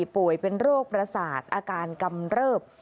ป่วยเป็นโรคประสาทอาการกำเริบ